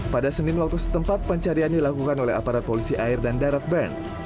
pada senin waktu setempat pencarian dilakukan oleh aparat polisi air dan darat band